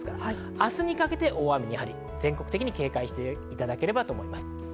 明日にかけて全国的に大雨に警戒していただければと思います。